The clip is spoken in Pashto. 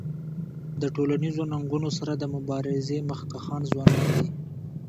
د ټولنیزو ننګونو سره د مبارزی مخکښان ځوانان دي.